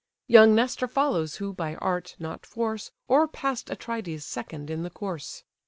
Young Nestor follows (who by art, not force, O'erpass'd Atrides) second in the course.